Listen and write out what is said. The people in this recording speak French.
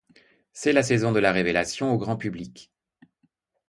C'est la saison de la révélation au grand public.